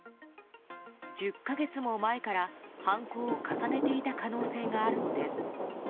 １０か月も前から犯行を重ねていた可能性があるのです。